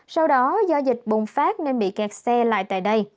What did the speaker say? sau đó do dịch bùng phát nên bị kẹt xe lại tại đây